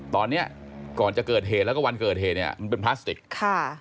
ตอนนี้ก่อนจะเกิดเหและวันเกิดเหมือนเป็นพลาสติก